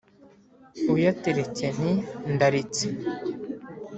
Uyateretse nti ndaretse